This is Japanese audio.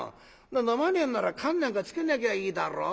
飲まねえんなら燗なんかつけなきゃいいだろ。